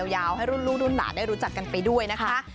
ยาวให้ลูกหลุ่นหล่าได้รู้จักกันไปด้วยนะคะ